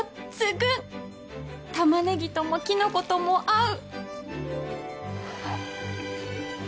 タマネギともきのことも合う！